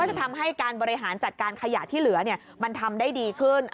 จะทำให้การบริหารจัดการขยะที่เหลือมันทำได้ดีขึ้น